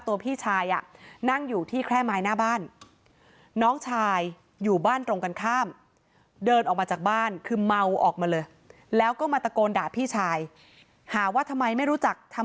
ตัวพี่ชายนั่งอยู่ที่แค่ไม้หน้าบ้านน้องชายอยู่บ้านตรงกันข้าม